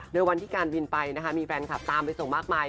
โดยวันที่การบินไปนะคะมีแฟนคลับตามไปส่งมากมาย